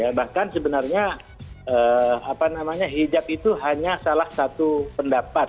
ya bahkan sebenarnya hijab itu hanya salah satu pendapat